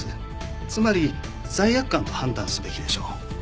つまり罪悪感と判断すべきでしょう。